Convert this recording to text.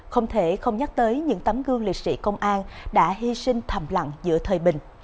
không thể không nhắc tới những tấm gương liệt sĩ công an đã hy sinh thầm lặng giữa thời bình